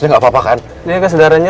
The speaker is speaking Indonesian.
enggak papa kan ini kesedarannya